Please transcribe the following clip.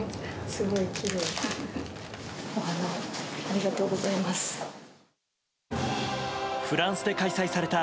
すごいきれい。